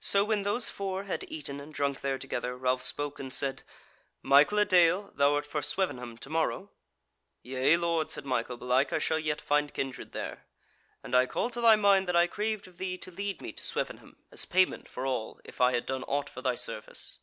So when those four had eaten and drunk there together, Ralph spoke and said: "Michael a dale, thou art for Swevenham to morrow?" "Yea, lord," said Michael, "belike I shall yet find kindred there; and I call to thy mind that I craved of thee to lead me to Swevenham as payment for all if I had done aught for thy service."